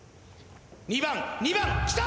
２番２番きた！